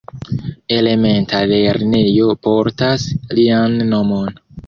Elementa lernejo portas lian nomon.